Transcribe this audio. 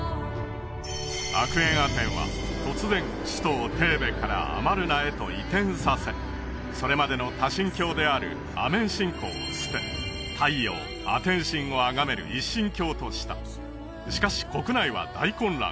アクエンアテンは突然首都をテーベからアマルナへと移転させそれまでの多神教であるアメン信仰を捨て太陽アテン神をあがめる一神教としたしかし国内は大混乱